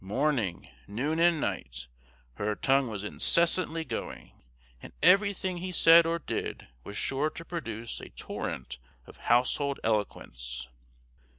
Morning, noon, and night, her tongue was incessantly going, and every thing he said or did was sure to produce a torrent of household eloquence.